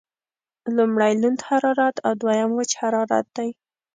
لمړی لوند حرارت او دویم وچ حرارت دی.